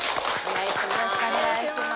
お願いします。